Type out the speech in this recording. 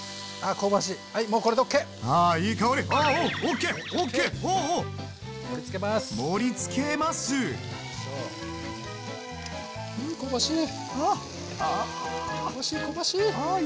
香ばしい香ばしい！